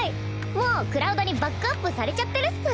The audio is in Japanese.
もうクラウドにバックアップされちゃってるっス。